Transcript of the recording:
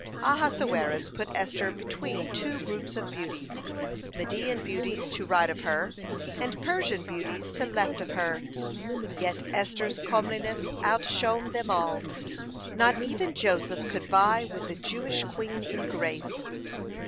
(68) Ahasuerus put Esther between two groups of beauties, Median beauties to right of her, and Persian beauties to left of her. Yet Esther's comeliness outshone them all. (69) Not even Joseph could vie with the Jewish queen in grace.